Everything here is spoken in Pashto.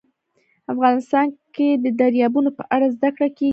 افغانستان کې د دریابونه په اړه زده کړه کېږي.